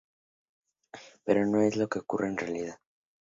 Pero no es lo que ocurre en la realidad.